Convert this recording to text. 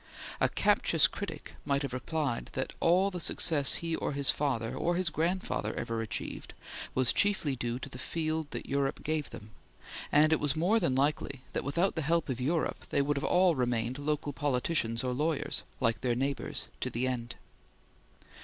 A captious critic might have replied that all the success he or his father or his grandfather achieved was chiefly due to the field that Europe gave them, and it was more than likely that without the help of Europe they would have all remained local politicians or lawyers, like their neighbors, to the end.